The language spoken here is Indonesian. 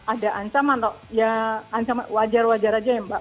ada ancaman atau ya ancaman wajar wajar aja ya mbak